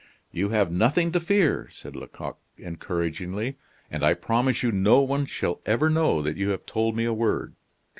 "You have nothing to fear," said Lecoq, encouragingly, "and I promise you no one shall ever know that you have told me a word.